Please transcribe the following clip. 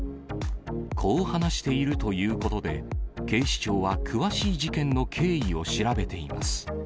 こう話しているということで、警視庁は詳しい事件の経緯を調べています。